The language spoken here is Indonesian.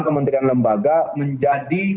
kementerian lembaga menjadi